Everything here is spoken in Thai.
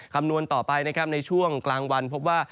คำนวณต่อไปในช่วงกลางวันพบว่า